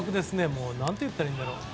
もう何て言ったらいいんだろう？